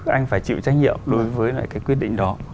anh phải chịu trách nhiệm đối với lại cái quyết định đó